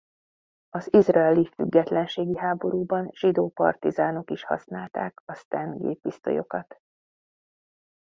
Az izraeli függetlenségi háborúban zsidó partizánok is használták a Sten géppisztolyokat.